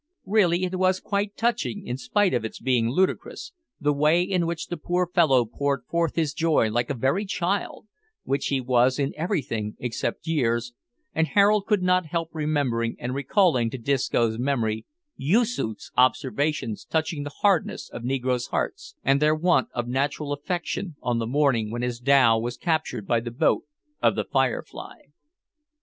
Really it was quite touching, in spite of its being ludicrous, the way in which the poor fellow poured forth his joy like a very child, which he was in everything except years; and Harold could not help remembering, and recalling to Disco's memory, Yoosoof's observations touching the hardness of negroes' hearts, and their want of natural affection, on the morning when his dhow was captured by the boat of the "Firefly."